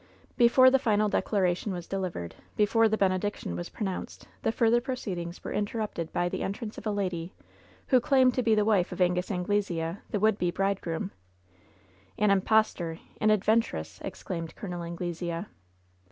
Before the final declara tion was delivered, before the benediction was pro noimced, the further proceedings were interrupted by the entrance of a lady who claimed to be the wife of Angus Anglesea^ the would be bridegroom ^* "An impostor ! An adventuress !" exclaimed Col. An glesea.